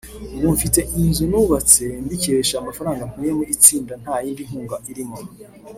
ubu mfite inzu nubatse mbikesha amafaranga nkuye mu itsinda nta yindi nkunga irimo”